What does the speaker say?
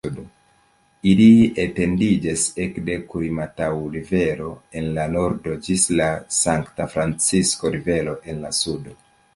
Ili etendiĝas ekde Kurimataŭ-Rivero en la nordo ĝis la Sankta-Francisko-Rivero en la sudo.